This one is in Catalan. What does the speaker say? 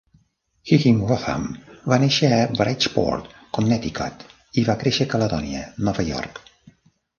Higinbotham va néixer a Bridgeport, Connecticut, i va créixer a Caledonia, Nova York.